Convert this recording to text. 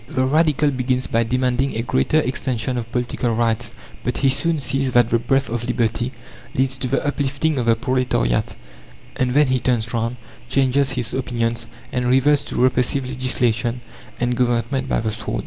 The Radical begins by demanding a greater extension of political rights, but he soon sees that the breath of liberty leads to the uplifting of the proletariat, and then he turns round, changes his opinions, and reverts to repressive legislation and government by the sword.